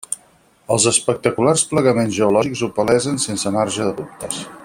Els espectaculars plegaments geològics ho palesen sense marge de dubtes.